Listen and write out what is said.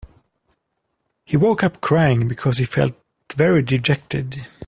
He woke up crying because he felt very dejected.